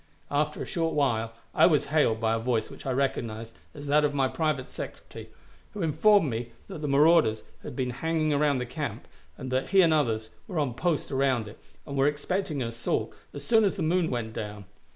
After a short time I was hailed by a voice which I recognized as that of my private secretary, who informed me that the marauders had been hanging around the camp, and that he and others were on post around it, and were expecting an assault as soon as the moon went down.